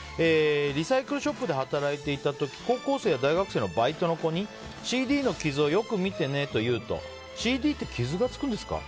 リサイクルショップで働いていた時高校生や大学生のバイトの子にＣＤの傷をよく見てねと言うとＣＤって傷がつくんですか？